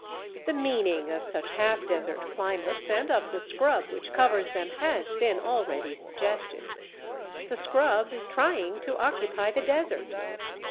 The meaning of such half desert climates and of the scrub which covers them has been already suggested. The scrub is trying to occupy the desert.